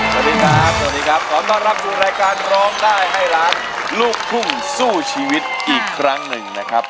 สวัสดีครับสวัสดีครับขอต้อนรับสู่รายการร้องได้ให้ล้านลูกทุ่งสู้ชีวิตอีกครั้งหนึ่งนะครับ